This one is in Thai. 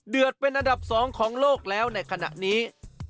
เป็นอันดับ๒ของโลกแล้วในขณะนี้